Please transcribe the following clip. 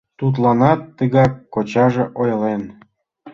Тудланат тыгак кочаже ойлен...